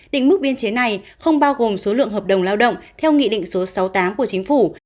định mức biên chế này không bao gồm số lượng hợp đồng lao động theo nghị định số sáu mươi tám của chính phủ